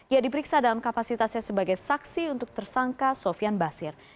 ia diperiksa dalam kapasitasnya sebagai saksi untuk tersangka sofian basir